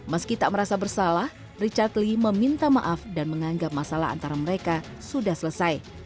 meski tak merasa bersalah richard lee meminta maaf dan menganggap masalah antara mereka sudah selesai